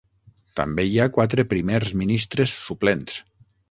També hi ha quatre primers ministres suplents.